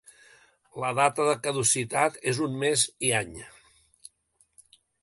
La data de caducitat és un mes i any.